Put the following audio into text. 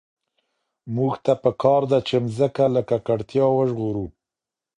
موږ ته په کار ده چي مځکه له ککړتیا وژغورو.